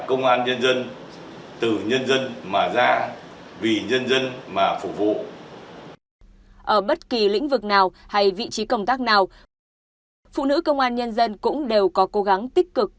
ở bất kỳ lĩnh vực nào hay vị trí công tác nào của phụ nữ công an nhân dân cũng đều có cố gắng tích cực